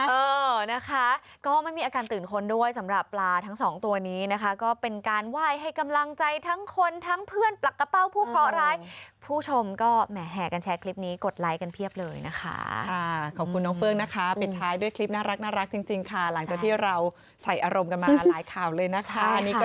เออนะคะก็ไม่มีอาการตื่นคนด้วยสำหรับปลาทั้งสองตัวนี้นะคะก็เป็นการไหว้ให้กำลังใจทั้งคนทั้งเพื่อนปลักกระเป้าผู้เคราะห์ร้ายผู้ชมก็แหมกันแชร์คลิปนี้กดไลค์กันเพียบเลยนะคะขอบคุณน้องเฟื้องนะคะปิดท้ายด้วยคลิปน่ารักจริงค่ะหลังจากที่เราใส่อารมณ์กันมาหลายข่าวเลยนะคะ